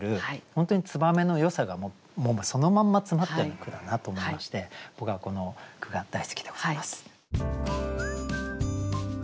本当に燕のよさがもうそのまんま詰まったような句だなと思いまして僕はこの句が大好きでございます。